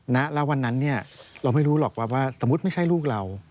ณแล้ววันนั้นเนี่ยเราไม่รู้หรอกว่าสมมุติไม่ใช่ลูกเรา